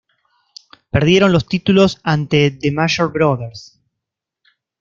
Perdieron los títulos ante The Major Brothers.